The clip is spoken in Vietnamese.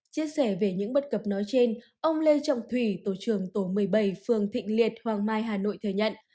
chia sẻ về những bất cập nói trên ông lê trọng thủy tổ trưởng tổ một mươi bảy phường thịnh liệt hoàng mai hà nội thừa nhận